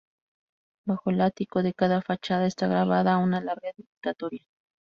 Bajo el ático de cada fachada está grabada una larga dedicatoria.